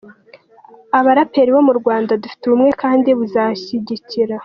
Abaraperi bo mu Rwanda dufite ubumwe kandi buzanshyigikira.